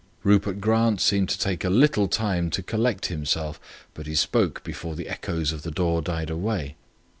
Rupert Grant seemed to take a little time to collect himself; but he spoke before the echoes of the door died away.